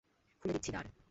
খুলে দিচ্ছি দ্বার।